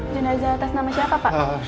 jenazah atas nama siapa pak